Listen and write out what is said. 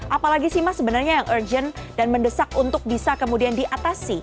apalagi sih mas sebenarnya yang urgent dan mendesak untuk bisa kemudian diatasi